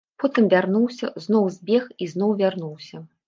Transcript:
Потым вярнуўся, зноў збег і зноў вярнуўся.